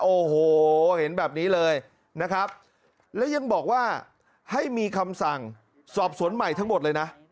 โอ้โหเห็นแบบนี้เลยนะครับและยังบอกว่าให้มีคำสั่งสอบสวนใหม่ทั้งหมดเลยนะ